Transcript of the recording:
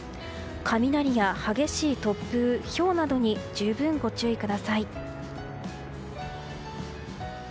雷や激しい突風、ひょうなどに十分ご注意ください。